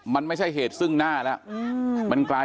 โทรไปล่าสูตรรับสาย